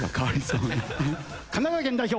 神奈川県代表